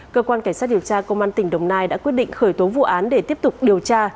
cơ quan cảnh sát điều tra công an tp hcm đã quyết định khởi tố vụ án để tiếp tục điều tra